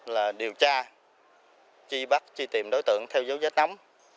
là điều tra truy bắt truy tìm đối tượng theo dấu vết nắm